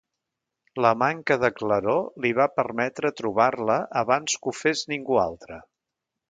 La manca de claror li va permetre trobar-la abans que ho fes ningú altre.